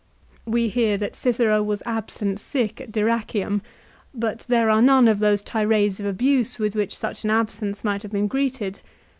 We hear that Cicero was absent sick at Dyrrachium, but there are none of those tirades of abuse with which such an absence might have been greeted.